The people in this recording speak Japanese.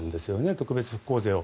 特別復興税を。